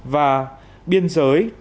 và biên giới